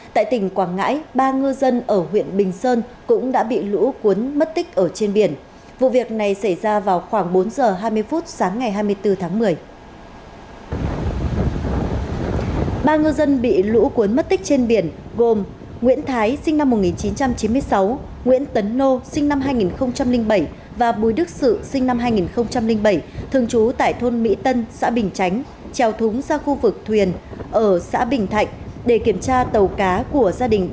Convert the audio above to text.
tại tỉnh quảng ngãi ba ngư dân ở huyện bình sơn cũng đã bị lũ cuốn mất tích ở trên biển vụ việc này xảy ra vào khoảng bốn h hai mươi phút sáng ngày hai mươi bốn tháng một mươi